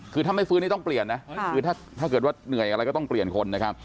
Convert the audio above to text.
คือถ้าไม่ฟื้นนี่ต้องเปลี่ยนนะคือถ้าเกิดว่าเหนื่อยอะไรก็ต้องเปลี่ยนคนนะครับ